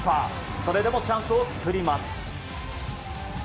それでもチャンスを作ります。